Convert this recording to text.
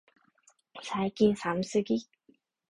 最近寒すぎ、